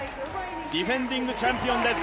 ディフェンディングチャンピオンです。